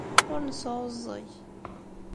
Ur nesɛuẓẓeg.